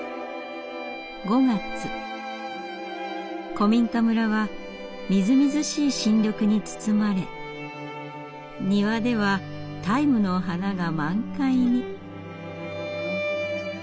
古民家村はみずみずしい新緑に包まれ庭ではタイムの花が満開に。